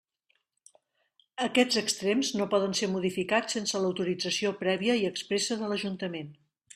Aquests extrems no poden ser modificats sense l'autorització prèvia i expressa de l'Ajuntament.